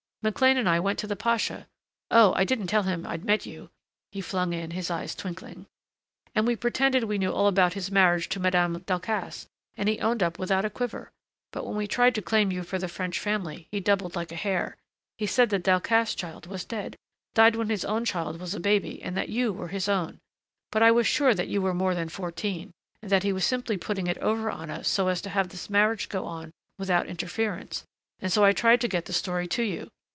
McLean and I went to the pasha Oh, I didn't tell him I'd met you!" he flung in, his eyes twinkling, "and we pretended we knew all about his marriage to Madame Delcassé and he owned up without a quiver. But when we tried to claim you for the French family, he doubled like a hare. He said the Delcassé child was dead, died when his own child was a baby, and that you were his own. But I was sure that you were more than fourteen, and that he was simply putting it over on us so as to have this marriage go on without interference and so I tried to get the story to you.